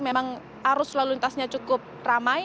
memang arus lalu lintasnya cukup ramai